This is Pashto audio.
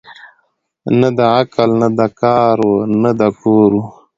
نه د عقل نه د کار وه نه د کور وه